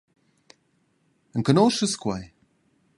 Enconuschas quei?